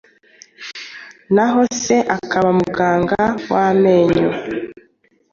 naho se akaba muganga w’amenyo.